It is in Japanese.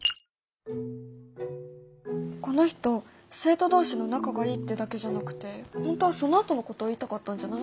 この人生徒同士の仲がいいってだけじゃなくて本当はそのあとのことを言いたかったんじゃない？